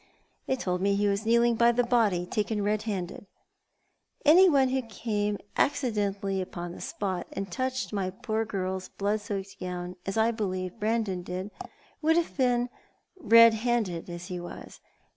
'•They told mc he was kneeling by the body, taken red handed." " Any one who came accidentally Tipon the spot, and touched my poor girl's blood soaked gown, as I believe Brandon did, would have been red handed as he was.